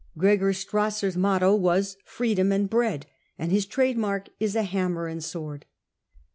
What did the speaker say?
Gregor Strasser's motto was " Freedom and Bread, 55 and his trade mark is a hammer and sword.